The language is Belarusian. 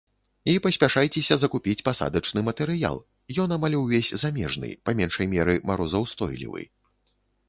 І паспяшайцеся закупіць пасадачны матэрыял, ён амаль увесь замежны, па меншай меры марозаўстойлівы.